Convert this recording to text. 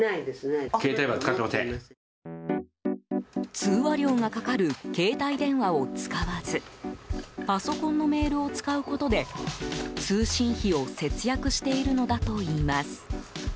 通話料がかかる携帯電話を使わずパソコンのメールを使うことで通信費を節約しているのだといいます。